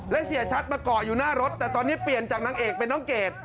และเสียชัดมาเกาะอยู่หน้ารถแต่ตอนนี้เปลี่ยนจากนางเอกเป็นน้องเกด